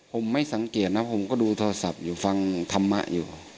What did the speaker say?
ผมไม่สังเกตนะผมก็ดูโทรศัพท์อยู่ฟังธรรมะอยู่